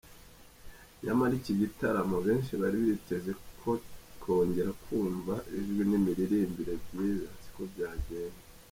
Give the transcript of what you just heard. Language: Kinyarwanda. Nyamara iki gitaramo, benshi bari biteze kongera kumva ijwi n’imiririmbire byiza, siko byagenze.